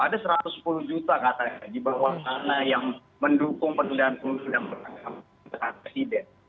ada satu ratus sepuluh juta katanya di bawah sana yang mendukung penundaan penundaan presiden